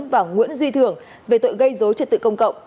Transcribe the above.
và nguyễn duy thường về tội gây dối trật tự công cộng